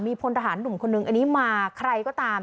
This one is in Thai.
พลทหารหนุ่มคนนึงอันนี้มาใครก็ตาม